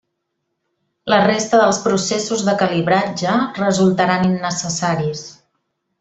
La resta dels processos de calibratge resultaran innecessaris.